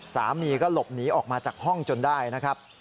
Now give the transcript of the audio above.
สามีก็หลบหนีออกมาจากห้องจนได้นะครับ